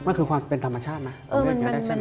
มันคือความเป็นธรรมชาตินะ